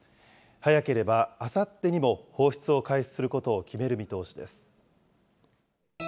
早ければあさってにも放出を開始することを決める見通しです。